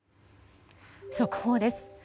速報です。